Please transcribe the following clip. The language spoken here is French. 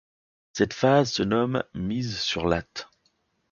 Cette phase se nomme mise sur latte.